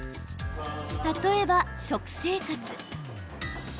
例えば、食生活。